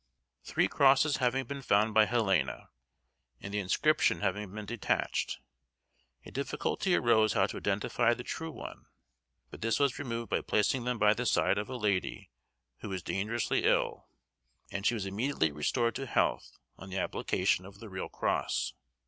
Three crosses having been found by Helena, and the inscription having been detached, a difficulty arose how to identify the true one; but this was removed by placing them by the side of a lady who was dangerously ill, and she was immediately restored to health on the application of the real cross.